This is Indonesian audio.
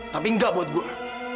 tapi gak buat gue